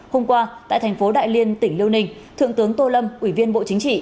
hôm qua tại thành phố đại liên tỉnh liêu ninh thượng tướng tô lâm ủy viên bộ chính trị